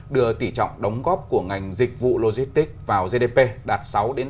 đưa tỉ trọng đóng góp của ngành dịch vụ logistics vào gdp đạt sáu tám